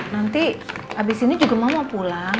nanti abis ini juga mau pulang